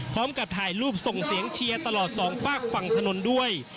พร้อมกับถ่ายรูปส่งเสียงเชียร์ตลอดสองฝากฝั่งถนนด้วย